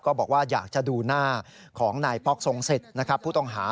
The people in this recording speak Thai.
บอกว่าอยากจะดูหน้าของนายป๊อกทรงสิทธิ์นะครับผู้ต้องหา